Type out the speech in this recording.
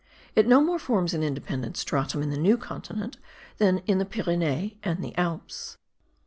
It no more forms an independent stratum in the New Continent, than in the Pyrenees and the Alps.